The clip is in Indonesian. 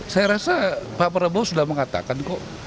saya rasa pak prabowo sudah mengatakan kok